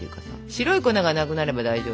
白い粉がなくなれば大丈夫。